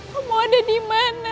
kamu ada di mana